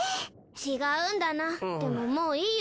違うんだなでももういいよ。